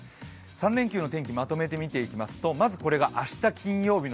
３連休天気まとめて見ていきますとまず、これが明日